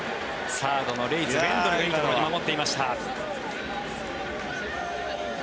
サードのレイズ、ウェンドルがいいところに守っていました。